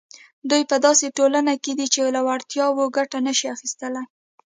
دوی په داسې ټولنه کې دي چې له وړتیاوو ګټه نه شي اخیستلای.